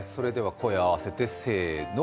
声を合わせて、せーの。